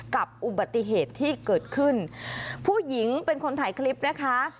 กับอุบัติเหตุที่เกิดขึ้นผู้หญิงเป็นคนถ่ายคลิปนะคะ